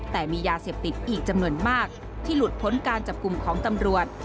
แต่มียาเสพติดอีกจำนวนมากที่หลุดพ้นการจับกลุ่มของตำรวจ